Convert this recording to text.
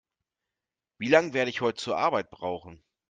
Wie lange werde ich heute zur Arbeit brauchen?